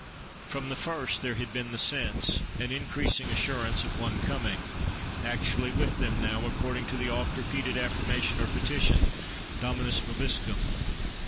From the first there had been the sense, an increasing assurance, of one coming:—actually with them now, according to the oft repeated affirmation or petition, Dominus vobiscum!